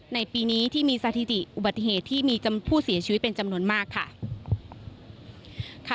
ในปีนี้ที่มีสถิติอุบัติเหตุที่มีผู้เสียชีวิตเป็นจำนวนมากค่ะ